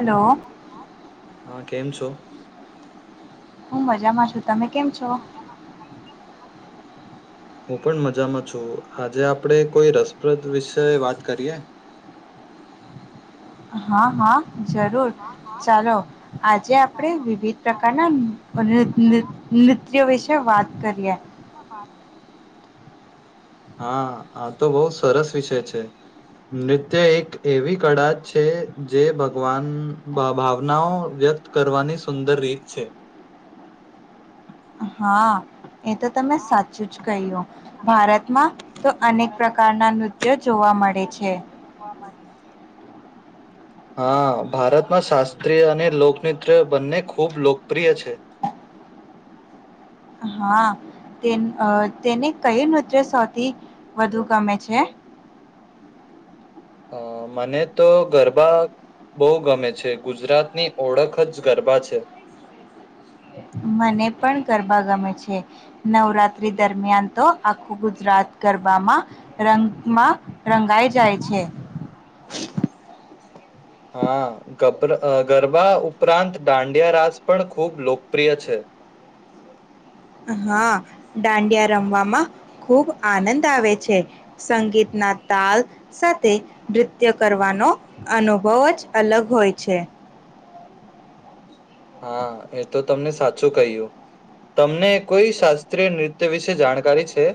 Hello હા કેમ છો. [inaudible] હું મજામાં છું. તમે કેમ છો. હું પણ મજામાં છું આજે આપણે કોઈ રસપ્રદ વિશે વાત કરીએ. હા હા. જરૂર ચાલો આજે આપણે વિવિધ પ્રકારના નૃત્ય વિશે. કે વાત. કરીએ હા આ તો બહુ સરસ વિષય છે નૃત્ય એક એવી કળા છે જે ભગવાન ભાવનાઓ વ્યક્ત કરવાની સુંદર રીત છે. હા. એ તો તમે સાચું જ કહ્યું. ભારતમાં. તો અનેક પ્રકારના નૃત્યો જોવા મળે છે. હા ભારતમાં શાસ્ત્રીય અને લોકનૃત્ય બંને ખૂબ લોકપ્રિય છે. હા તે તેને કયું નૃત્ય સૌથી વધુ ગમે છે. હ મને તો ગરબા બહુ ગમે છે ગુજરાતની ઓળખ જ ગરબા છે. મને પણ ગરબા ગમે છે નવરાત્રી દરમિયાન તો આખું ગુજરાત ગરબામાં રંગમાં રંગાઈ જાય છે. હા ગ ગરબા ઉપરાંત દાંડિયા રાસ પણ ખૂબ લોકપ્રિય છે. હા દાંડિયા રમવામાં ખુબ આનંદ આવે છે સંગીતના તાલ સાથે નૃત્ય કરવાનો અનુભવ જ અલગ હોય છે. હા એ તો તમને સાચું કહ્યું તમને કોઈ શાસ્ત્રીય નૃત્ય વિશે જાણકારી છે.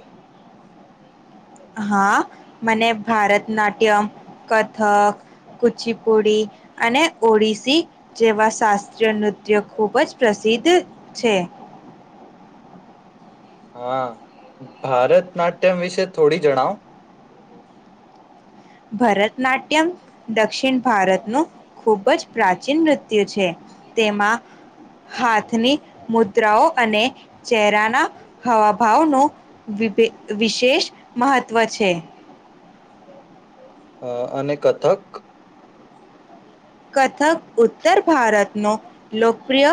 હા મને ભારતનાટ્યમ કથક કુચીપુડી અને ઓડિશસી જેવા શાસ્ત્રીય નૃત્ય ખૂબ જ પ્રસિદ્ધ છે. હા ભારત નાટ્યમ વિશે થોડી જણાવ ભરતનાટ્યમ દક્ષિણ ભારતનું ખૂબ જ પ્રાચીન નૃત્ય છે તેમાં હાથની મુદ્રાઓ અને ચહેરાના હવા ભાવનું વિશેષ મહત્ત્વ છે. અ અને કથક કથક ઉત્તર ભારતનો લોકપ્રિય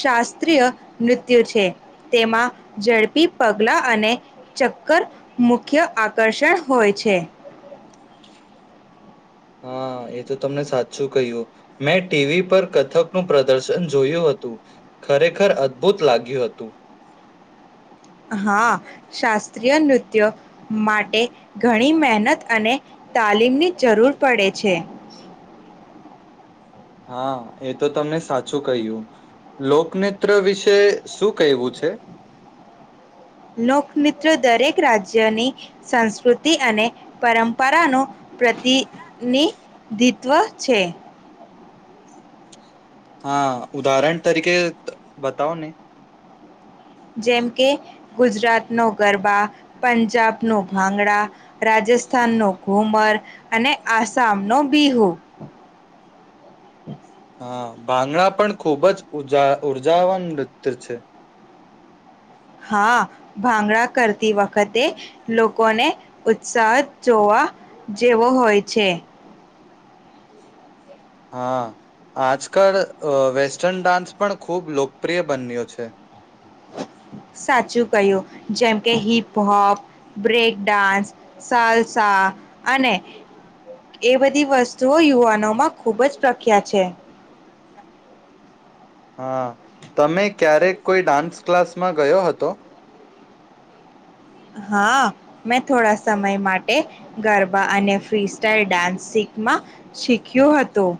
શાસ્ત્રીય નૃત્ય છે તેમાં ઝડપી પગલા અને ચક્કર મુખ્ય આકર્ષણ હોય છે. હા એ તો તમને સાચું કહ્યું મેં ટીવી પર કથકનુંું પ્રદર્શન જોયું હતું ખરેખર અદભુત લાગ્યું હતું. હા શાસ્ત્રીય નૃત્યો માટે ઘણી મહેનત અને તાલીમની જરૂર પડે છે. હા એ તો તમને સાચું કહ્યું લોકનત્ય વિશે શું કહેવું છે. લોકનૃત્ય દરેક રાજ્યની સંસ્કૃતિ અને પરંપરાનું પ્રતિનિધિત્વ છે. હા ઉદાહરણ તરીકે બતાવ ને જેમ કે ગુજરાત નો ગરબા પંજાબ ન ભાંગડા રાજસ્થાન ન ઘુમર અને આસામ નો બિહુ હા ભાંગડા પણ ખુબ જ ઉ ઉર્જાવાન નૃત્ય છે. હા ભાંગડા કરતી વખતે લોકોને ઉત્સાહ જ જોવા જેવો હોય છે. હા આજકાલ વેસ્ટર્ન ડાન્સ પણ ખૂબ લોકપ્રિય બન્યો છે. સાચું કહ્યું જેમ કે હિપહોપ બ્રેક ડાન્સ સાલસા અને એ બધી વસ્તુઓ યુવાનોમાં ખુબ જ પ્રખ્યાત છે. હા તમે ક્યારેક કોઈ ડાન્સ ક્લાસમાં ગયો હતો. હા મેં થોડા સમય માટે ગરબા અને ફ્રી સ્ટાઈલ ડાન્સ શીખમાં શીખ્યું હતું.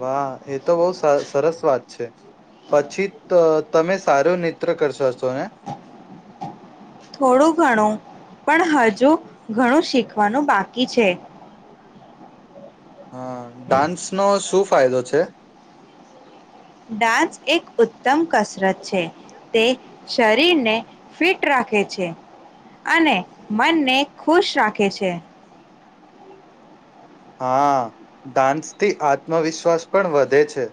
વાહ. એ તો બહુ સા સરસ વાત છે. પછી તો તમે સારો નેત્ર્ કરશો. છો ને થોડું ઘણું. પણ હજુ ઘણું શીખવાનું બાકી છે. હ ડાન્સ નો શુંફ. ફાયદો છે. ડાન્સ એક ઉત્તમ કસરત છે તે શરીરને ફિટ રાખે છે અને મનને ખુશ રાખે છે. હા ડાન્સથી આત્મવિશ્વાસ પણ વધે છે.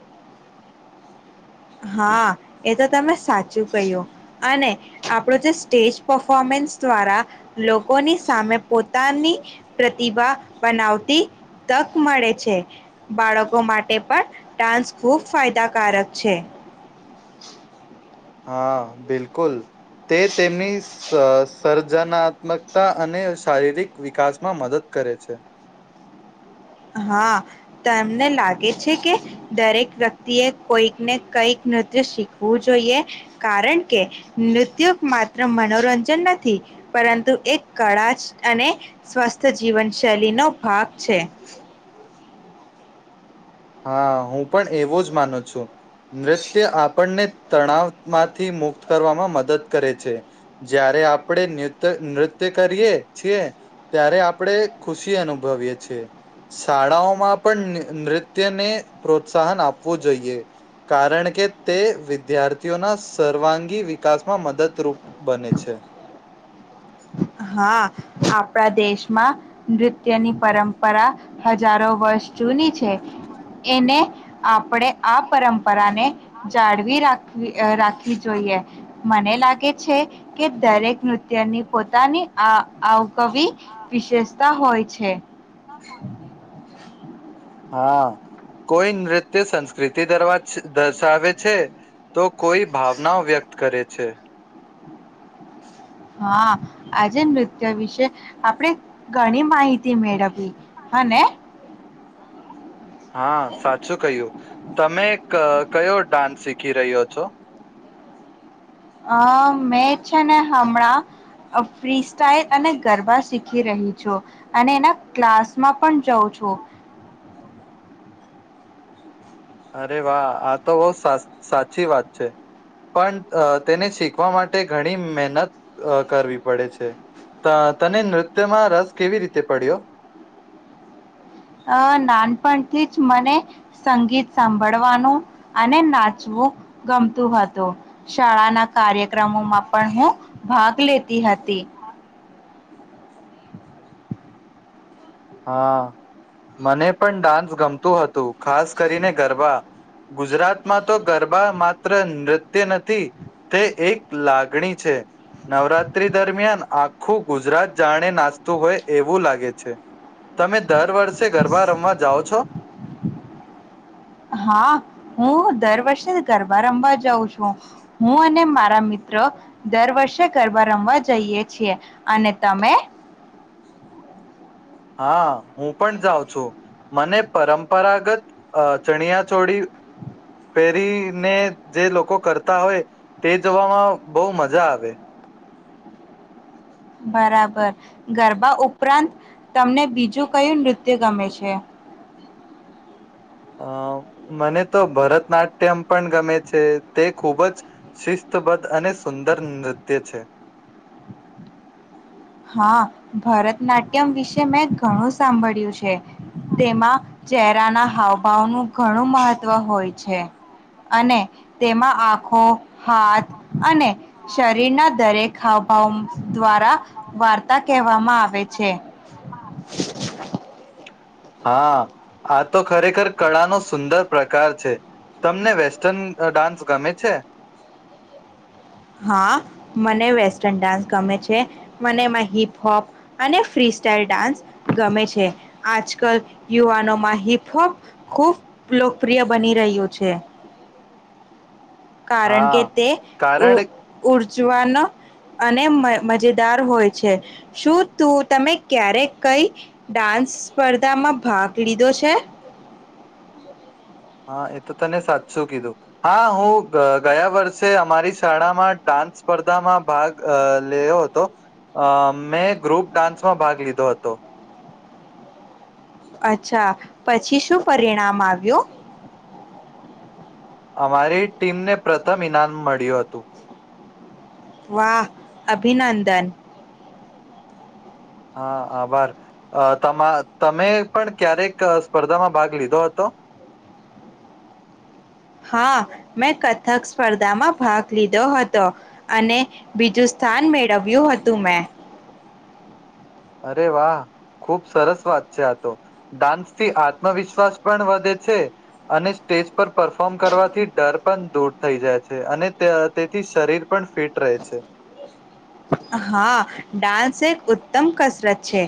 હા એ તો તમે સાચું કહ્યું અને આપણો જે સ્ટેજ પફોમન્સ દ્વારા લોકોની સામે પોતાની પ્રતિભા બનાવતી તક મળે છે બાળકો માટે પણ ડાન્સ ખૂબ ફાયદાકારક છે. હા બિલકુલ. તે તેમની સ સર્જનાત્મકતા અને શારીરિક વિકાસમાં મદદ કરે છે. હા તમને લાગે છે કે દરેક વ્યક્તિએ કોઈકને કઈક નૃત્ય શીખવું જોઈએ કારણ કે નૃત્ય માત્ર મનોરંજન નથી પરંતુ એક કળા જ અને સ્વસ્થ જીવન શૈલીનો ભાગ છે. હા હું પણ એવો જ માનું છું. નૃત્ય આપણને તણાવમાંથી મુક્ત કરવામાં મદદ કરે છે. જ્યારે આપણે નત્ય નૃત્ય કરીએ છીએ ત્યારે આપણે ખુશી અનુભવીય છીએ. શાળાઓમાં પણ નૃ ત્ય ને પ્રોત્સાહન આપવું જોઈએ કારણ કે તે વિદ્યાર્થીઓના સર્વાંગી વિકાસમાં મદદરૂપ બને છે. હા આપણા દેશમાં નૃત્યની પરંપરા હજારો વર્ષ જૂની છે એને આપણેે આ પરંપ રાને જાળવી રાખ રાખવી જોઈએ મને લાગે છે કે દરેક નૃત્યની પો દની આ કવ વિશેષ હોય છે. હા કોઈ નૃત્ય સંસ્કૃતિ દરવા દર્શાવે છે તો કોઈ ભાવના વ્યક્ત કરે છે. હા આજે નૃત્ય વિશે આપણે ઘણી માહિતી મેળવી હને હા સાચું કહ્યું તમે. કયો ડાન્સ શીખી રહ્યો છો. અ મેં છે ને હમણાં ફ્રી સાઈલ અને ગરબા શીખી રહી છું અને એના ક્લાસમાં પણ જાઉં છું. અરે વાહ આ તો બહ સાચી વાત છે પણ તેને શીખવા માટે ઘણી મહેનત કરવી પડે છે તને નૃત્યમાં રસ કેવી રીતે પડ્યો. અ નાનપણથી જ મને સંગીત સાંભળવાનું અને નાચવું ગમતું હતું શાળાના કાર્યક્રમોમાં પણ હું ભાગ લેતી હતી. હા મને પણ ડાન્સ ગમતું હતું. ખાસ કરીને ગરબા. ગુજરાતમાં તો ગરબા માત્ર નૃત્ય નથી તે એક લાગણી છે નવરાત્રી દરમિયાન આખું ગુજરાત જાણે નાચતું હોય એવું લાગે છે. તમે દર વર્ષે ગરબા રમવા જાઓ છો. હા હું દર વર્ષે ગરબા રમવા જાઉં છું હું અને મારા મિત્રો દર વર્ષે ગરબા રમવા જઈએ છીએ અને તમે હા હું પણ જાઉં છું. મને પરંપરાગત અ ચણિયા ચોળી પહેરીને જે લોકો કરતા હોય, તે જવામાં બહુ મજા આવે. બરાબર. ગરબા ઉપરાંત તમને બીજું કયું નૃત્ય ગમે છે? અમ મને તો ભરતનાટ્યમ પણ ગમે છે. તે ખૂબ જ શિસ્તબદ્ધ અને સુંદર નૃત્ય છે. હા, ભરતનાટ્યમ વિશે મેં ઘણું સાંભળ્યું છે. તેમાં ચહેરાના હાવભાવનું ઘણું મહત્ત્વ હોય છે. અને તેમાં આંખો, હાથ અને શરીરના દરેક હાવભાવ દ્વારા વાર્તા કહેવામાં આવે છે. હા, આ તો ખરેખર કળાનો સુંદર પ્રકાર છે. તમને વેસ્ટર્ન ડાન્સ ગમે છે? હા, મને વેસ્ટર્ન ડાન્સ ગમે છે. મને એમાં હિપહોપ અને ફ્રી સ્ટાઈલ ડાન્સ ગમે છે. આજકલ યુવાનોમાં હિપહોપ ખૂબ લોકપ્રિય બની રહ્યું છે. કારણ કે હા, તે, ઉ કારણ ઉર્જવા ન અને મજેદાર હોય છે. શું તું, તમે ક્યારેક કઈ ડાન્સ સ્પર્ધામાં ભાગ લીધો છે? હા, એ તો તને સાચું કીધું. હા હું ગયા વર્ષે અમારી શાળામાં ડાન્સ સ્પર્ધામાં ભાગ લ લયો હતો. અ મેં ગ્રુપ ડાન્સમાં ભાગ લીધો હતો. અચ્છા, પછી શું પરિણામ આવ્યું? અમારી ટીમને પ્રથમ ઇનામ મળ્યું હતું. વાહ! અભિનંદન. હા, આભાર તમા તમે પણ ક્યારેક સ્પર્ધામાં ભાગ લીધો હતો? હા, મેં કથક સ્પર્ધામાં ભાગ લીધો હતો. અને બીજું સ્થાન મેળવ્યું હતું મેં. અરે વાહ! ખુબ સરસ વાત છે આ તો. ડાન્સ થી આત્મવિશ્વાસ પણ વધે છે, અને સ્ટેજ પર પરફોર્મ કરવાથી ડર પણ દૂર થઈ જાય છે. અને તે તેથી શરીર પણ ફિટ રહે છે. હા ડાન્સ એક ઉત્તમ કસરત છે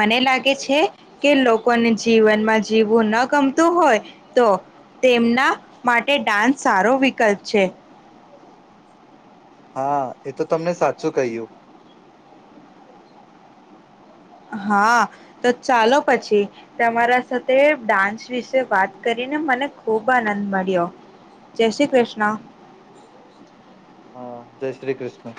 મને લાગે છે કે લોકોને જીવનમાં જીવવું ન ગમતું હોય તો તેમના માટે ડાન્સ સારો વિકલ્પ છે. હા એ તો તમને સાચું કહ્યું. હા તો ચાલો પછી તમારા સાથે ડાન્સ વિશે વાત કરીને મને ખુબ આનંદ મળ્યો જય શ્રી કૃષ્ણ. હા જય શ્રી કૃષ્ણ.